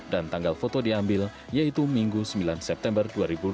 dan tanggal foto diambil yaitu minggu sembilan september dua ribu delapan belas